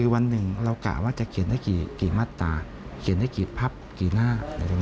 วันหนึ่งเรากะว่าจะเขียนได้กี่มาตรตามคี่พับคี่หน้า